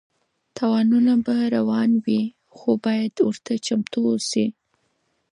تاوانونه به راروان وي خو ته باید ورته چمتو اوسې.